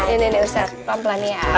ini nih ustadz pampelan ya